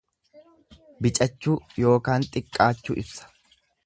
Bicachuu ykn xiqqaachuu ibsa.